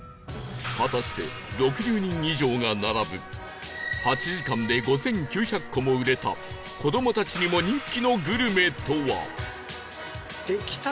果たして６０人以上が並ぶ８時間で５９００個も売れた子どもたちにも人気のグルメとは？